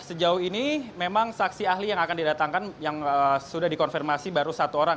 sejauh ini memang saksi ahli yang akan didatangkan yang sudah dikonfirmasi baru satu orang